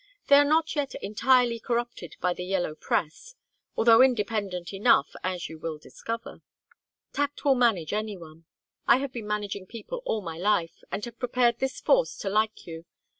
"They are not yet entirely corrupted by the yellow press, although independent enough, as you will discover. Tact will manage any one. I have been managing people all my life, and have prepared this force to like you.